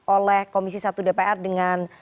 oleh komisi satu dpr dengan